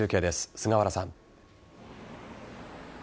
菅原さん。